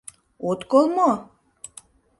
— От кол мо?